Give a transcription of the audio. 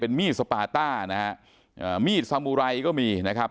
มีดสปาต้านะฮะอ่ามีดสามุไรก็มีนะครับ